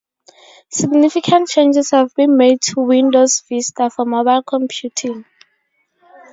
Significant changes have been made to Windows Vista for mobile computing.